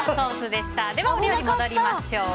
では、お料理に戻りましょう。